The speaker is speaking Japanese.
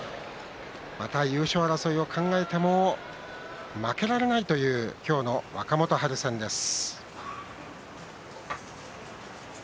また優勝争いを考えても負けられないという今日の若元春戦です。